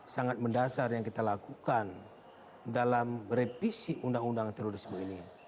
sangat mendasar yang kita lakukan dalam revisi undang undang terorisme ini